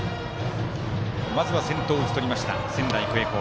まずは先頭を打ち取った仙台育英。